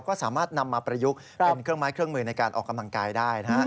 ก็สามารถนำมาประยุกต์เป็นเครื่องไม้เครื่องมือในการออกกำลังกายได้นะฮะ